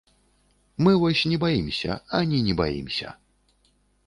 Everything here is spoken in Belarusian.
Мы вось не баімся, ані не баімся.